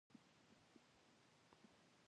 ملالۍ بیرغ ورته نیوه.